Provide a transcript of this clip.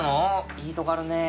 いいとこあるね。